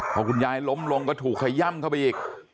พอคุณยายล้มลงก็ถูกขย่ำเข้าไปอีก